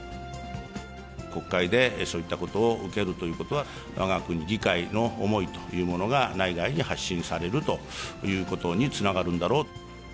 国会でそういったことを受けるということは、わが国議会の思いというものが、内外に発信されるということにつながるんだろう。